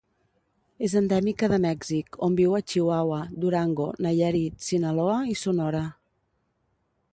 És endèmica de Mèxic, on viu a Chihuahua, Durango, Nayarit, Sinaloa i Sonora.